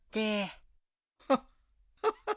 ハッハハ。